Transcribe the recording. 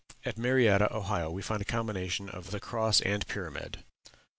At Marietta, Ohio, we find a combination of the cross and pyramid.